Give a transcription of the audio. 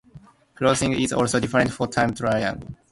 Clothing is also different for time trialling.